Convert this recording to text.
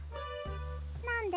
なんで？